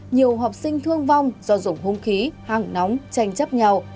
nhiều học sinh thương vong do dùng hung khí hăng nóng tranh chấp nhau